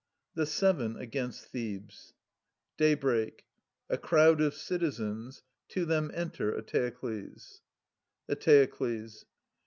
THE SEVEN AGAINST THEBES. Daybreak : a crowd of citizens : to them enter Eteokles, Eteoklbs.